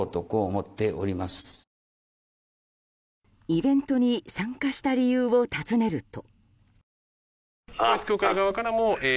イベントに参加した理由を尋ねると。